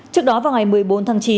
trước đó vào ngày một mươi bốn tháng chín